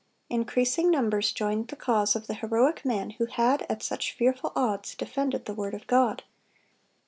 Increasing numbers joined the cause of the heroic man who had, at such fearful odds, defended the word of God.